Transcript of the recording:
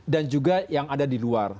dan juga yang ada di luar